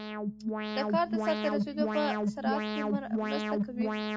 د کار د سرته رسیدو په سرعت کې مرسته کوي.